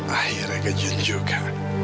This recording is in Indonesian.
akhirnya ke jun juga